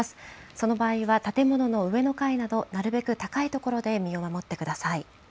その場合は建物の上の階など、なるべく高い所で身を守ってください。